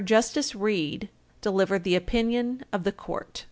JUSTICE REED delivered the opinion of the Court.